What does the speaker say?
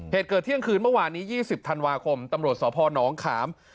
เหตุเกิดเที่ยงคืนเมื่อวานนี้๒๐ธันวาคมตำรวจสพนขาม